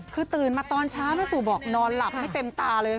คือตื่นมาตอนเช้าแม่สู่บอกนอนหลับไม่เต็มตาเลย